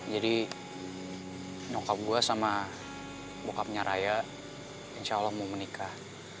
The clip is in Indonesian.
jadi nyokap gue sama bokapnya raya insya allah mau menikah